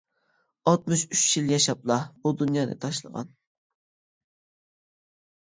ئاتمىش ئۈچ يىل ياشاپلا، بۇ دۇنيانى تاشلىغان.